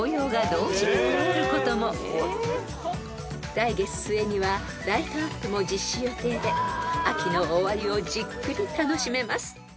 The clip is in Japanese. ［来月末にはライトアップも実施予定で秋の終わりをじっくり楽しめます］